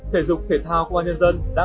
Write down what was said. thể dục thể thao công an nhân dân đã